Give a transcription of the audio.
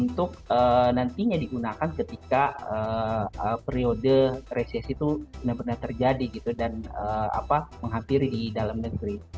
untuk nantinya digunakan ketika periode resesi itu benar benar terjadi gitu dan menghampiri di dalam negeri